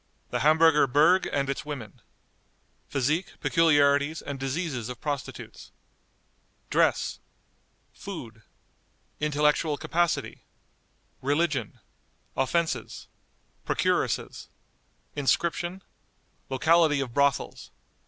The Hamburger Berg and its Women. Physique, Peculiarities, and Diseases of Prostitutes. Dress. Food. Intellectual Capacity. Religion. Offenses. Procuresses. Inscription. Locality of Brothels.